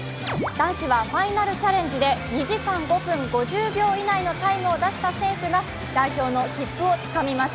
男子はファイナルチャレンジで２時間５分５０秒以内のタイムを出した選手が代表の切符をつかみます。